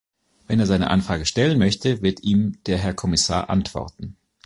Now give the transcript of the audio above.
Wenn er seine Anfrage stellen möchte, wird ihm der Herr Kommissar antworten.